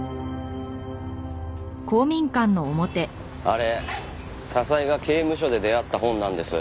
あれ笹井が刑務所で出会った本なんです。